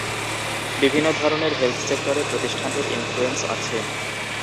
বিভিন্ন ধরনের হেলথ সেক্টরে প্রতিষ্ঠানটির ইনফ্লুয়েন্স আছে।